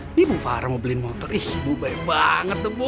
ini bu farah mau beliin motor ihh ibu baik banget tuh bu